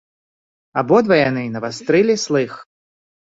Абодва яны навастрылі слых.